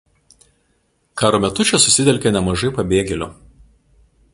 Karo metu čia susitelkė nemažai pabėgėlių.